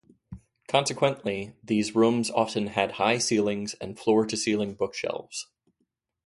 Consequently, these rooms often had high ceilings and floor-to-ceiling bookshelves.